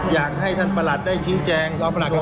อยากให้ท่านประหลักได้ชี้แจง